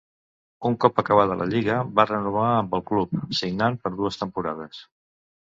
Un cop acabada la lliga va renovar amb el club, signant per dues temporades.